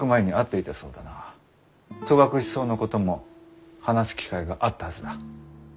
戸隠草のことも話す機会があったはずだ。